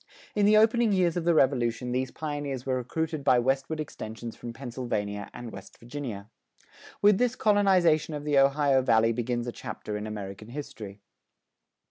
In the opening years of the Revolution these pioneers were recruited by westward extensions from Pennsylvania and West Virginia. With this colonization of the Ohio Valley begins a chapter in American history.